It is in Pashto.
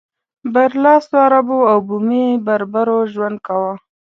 برلاسو عربو او بومي بربرو ژوند کاوه.